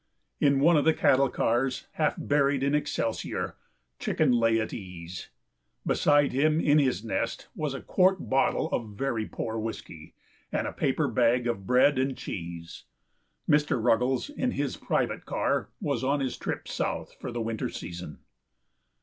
In one of the cattle cars, half buried in excelsior, Chicken lay at ease. Beside him in his nest was a quart bottle of very poor whisky and a paper bag of bread and cheese. Mr. Ruggles, in his private car, was on his trip south for the winter season.